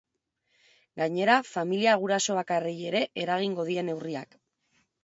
Gainera, familia gurasobakarrei ere eragingo die neurriak.